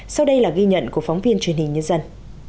sau đây là ghi nhận của phóng viên truyền hình nhân dân